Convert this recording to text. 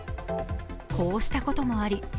こうしたこともあり